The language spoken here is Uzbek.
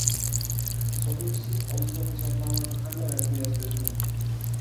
Sotuvchisiz oldi-sotdi shartnomasini qanday rasmiylashtirish mumkin?